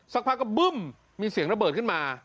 สักพักก็บึ้มมีเสียงระเบิดขึ้นมา